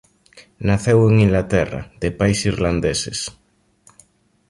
Naceu en Inglaterra de pais irlandeses.